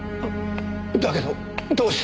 だけどどうして。